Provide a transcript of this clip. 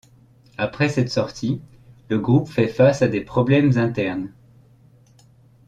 Après cette sortie, le groupe fait face à des problèmes internes.